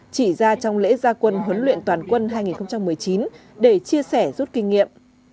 chỉ ra trong lễ gia quân huấn luyện toàn quân hai nghìn một mươi chín để chia sẻ rút kinh nghiệm